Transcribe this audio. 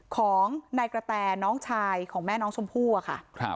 ของนายกระแตน้องชายของแม่น้องชมพู่อะค่ะ